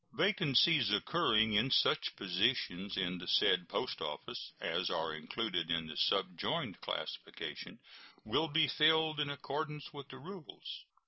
Vacancies occurring in such positions in the said post office as are included in the subjoined classification will be filled in accordance with the rules.